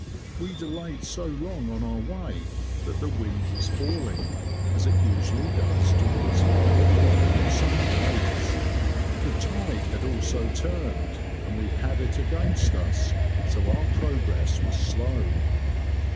We delayed so long on our way that the wind was falling, as it usually does towards five o'clock on summer days: the tide had also turned, and we had it against us, so our progress was slow.